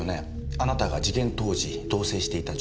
あなたが事件当時同棲していた女性。